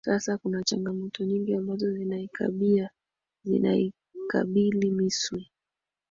sasa kuna changamoto nyingi ambazo zinaikabia zinaikabili misri